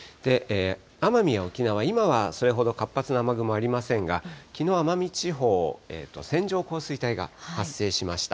奄美や沖縄、今はそれほど活発な雨雲ありませんが、きのう、奄美地方、線状降水帯が発生しました。